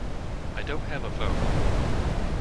I don't have a phone.